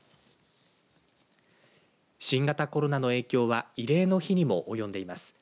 新型コロナの影響は慰霊の日にもおよんでいます。